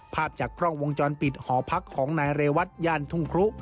ภาพจากกล้องวงจรปิดหอพักของนายเรวัตย่านทุ่งครุ